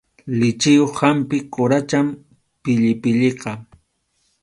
Lichiyuq hampi quracham pillipilliqa.